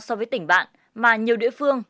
so với tỉnh bạn mà nhiều địa phương